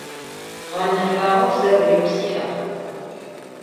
Ğenefağeu, se gripp si'ag.